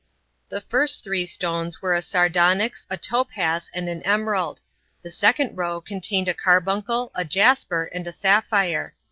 Now the first three stones were a sardonyx, a topaz, and an emerald. The second row contained a carbuncle, a jasper, and a sapphire.